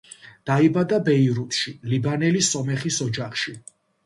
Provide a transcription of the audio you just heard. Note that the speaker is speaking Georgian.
დაიბადა ბეირუთში ლიბანელი სომეხის ოჯახში.